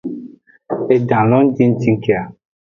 Edan lo jinjin ke a!